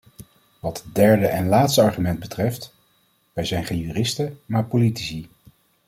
Wat het derde en laatste argument betreft: wij zijn geen juristen, maar politici.